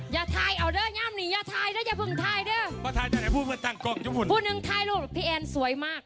อย่าทายเอาเดิ้นอย่าอย่าพึ่งทายเด้อวไปตายมึงพี่แอนสวยมาก